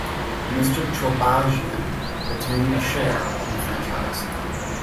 Mr. Chorbajian retained a share in the franchise.